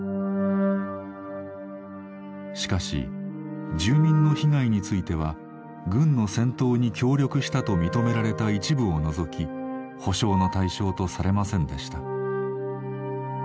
しかし住民の被害については軍の戦闘に協力したと認められた一部を除き補償の対象とされませんでした。